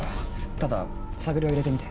ただ探りは入れてみて。